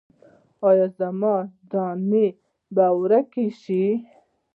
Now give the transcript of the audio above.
ایا زما دانې به ورکې شي؟